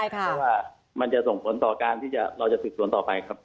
เพราะว่ามันจะส่งผลต่อการที่เราจะสืบสวนต่อไปครับ